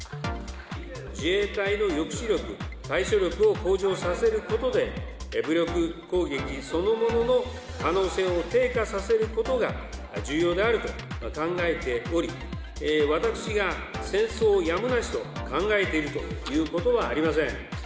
自衛隊の抑止力、対処力を向上させることで、武力攻撃そのものの可能性を低下させることが、重要であると考えており、私が戦争をやむなしと考えているということはありません。